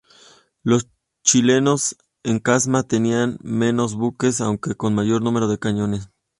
Los chilenos en Casma tenían menos buques, aunque con mayor número de cañones.